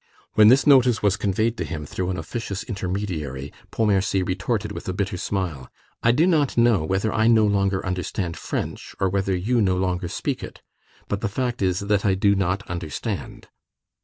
When this notice was conveyed to him through an officious intermediary, Pontmercy retorted with a bitter smile: "I do not know whether I no longer understand French, or whether you no longer speak it; but the fact is that I do not understand."